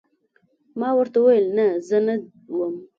ما ورته وویل: نه، زه نه وم.